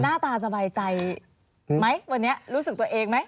หน้าตาสบายใจไหมวันนี้รู้สึกตัวเองไหม